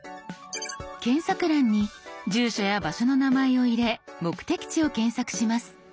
検索欄に住所や場所の名前を入れ目的地を検索します。